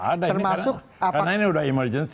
ada ini karena ini sudah emergency